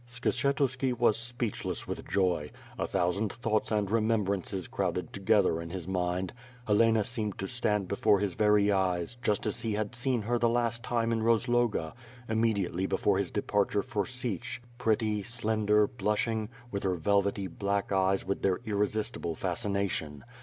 Skshetuski was speechless with joy. A thousand thou2;hts and remembrances crowded together in his mind. Helena seemed to stand before his very eyes, just as he had seen her the last time in Rozloga, immediately before his departure for Sich. Pretty, slender, blushing, with her velvety black eyes with their irresistible fascination.